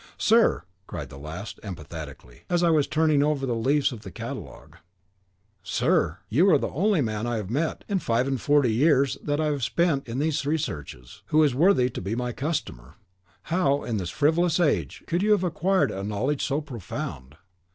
"Sir," cried the last, emphatically, as I was turning over the leaves of the catalogue, "sir, you are the only man I have met, in five and forty years that I have spent in these researches, who is worthy to be my customer. How where, in this frivolous age, could you have acquired a knowledge so profound?